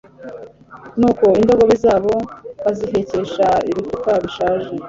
nuko indogobe zabo bazihekesha ibifuka bishaje